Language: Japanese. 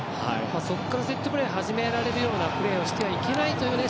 そこからセットプレーを始められるようなプレーはしてはいけないというね。